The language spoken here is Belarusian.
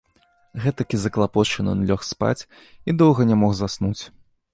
Гэтакі заклапочаны ён лёг спаць і доўга не мог заснуць.